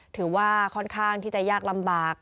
ถือว่าค่อนข้างที่จะยากลำบาก